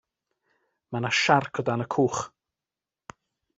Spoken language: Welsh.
Mae 'na siarc o dan y cwch.